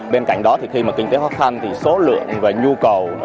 bên cạnh đó thì khi mà kinh tế khó khăn thì số lượng và nhu cầu